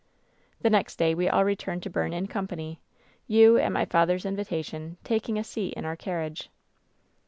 "The next day we all returned to Berne in company — ^you, at my father's invitation, taking a seat in our carriage.